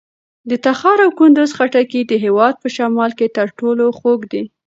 د تخار او کندوز خټکي د هېواد په شمال کې تر ټولو خوږ دي.